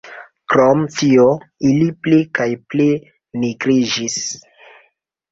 Krom tio, ili pli kaj pli nigriĝis.